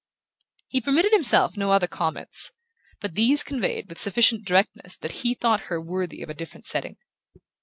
He permitted himself no other comments, but these conveyed with sufficient directness that he thought her worthy of a different setting.